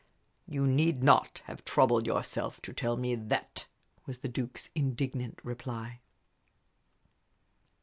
"You need not have troubled yourself to tell me that," was the Duke's indignant reply.